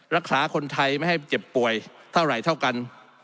รักษาคนไทยไม่ให้เจ็บป่วยเท่าไหร่เท่ากัน